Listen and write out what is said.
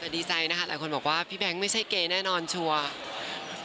ดิสัยนะครับหลายคนบอกว่าพี่แบ๊งก์ไม่ใช่เกยแน่นอนชัวร์